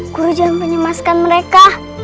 guru jangan mencemaskan mereka